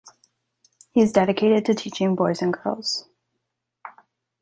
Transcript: He is dedicated to teaching boys and girls.